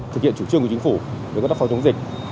thực hiện chủ trương của chính phủ về công tác phòng chống dịch